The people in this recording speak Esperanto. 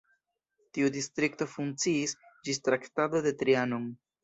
Tiu distrikto funkciis ĝis Traktato de Trianon.